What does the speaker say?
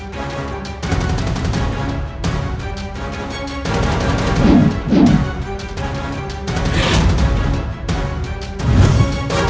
dan aku akan menghapusnya